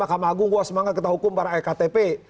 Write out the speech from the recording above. mahkamah agung wah semangat kita hukum para ektp